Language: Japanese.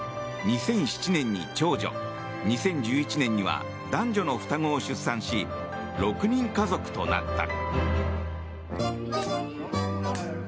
２００７年に長女２０１１年には男女の双子を出産し６人家族となった。